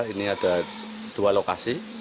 ini ada dua lokasi